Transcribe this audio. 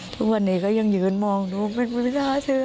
ทุกวันนี้ก็ยังยืนมองลูกเป็นประวัติภาษาเชื้อ